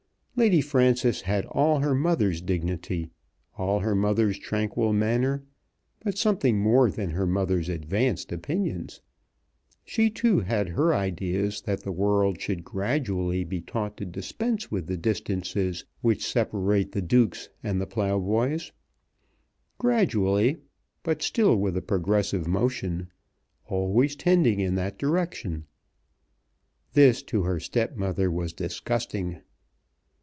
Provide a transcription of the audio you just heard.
Lady Frances had all her mother's dignity, all her mother's tranquil manner, but something more than her mother's advanced opinions. She, too, had her ideas that the world should gradually be taught to dispense with the distances which separate the dukes and the ploughboys, gradually, but still with a progressive motion, always tending in that direction. This to her stepmother was disgusting.